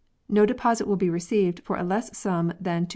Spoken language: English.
No deposit will be received for a less sum than Rs.